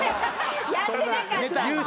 やってなかった。